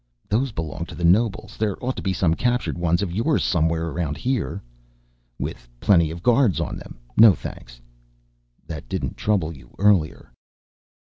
"Those belong to the nobles. There ought to be some captured ones of yours somewhere around here." "With plenty of guards on them. No, thanks." "That didn't trouble you earlier."